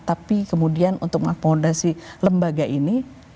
tapi kemudian untuk mengakomodasi lembaga ini